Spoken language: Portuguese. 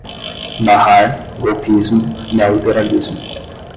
barrar, golpismo, neoliberalismo